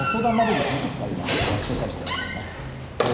相談窓口、いくつかありますので、紹介したいと思います。